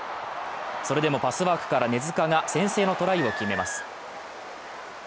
それでもパスワークから根塚が先制のトライを決めます。